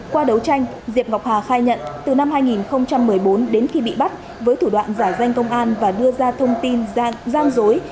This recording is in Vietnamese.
qua đấu tranh diệp ngọc hà khai nhận từ năm hai nghìn một mươi bốn đến khi bị bắt với thủ đoạn giả danh công an và đưa ra thông tin gian dối